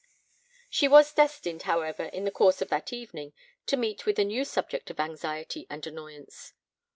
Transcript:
She was destined, however, in the course of that evening to meet with a new subject of anxiety and annoyance.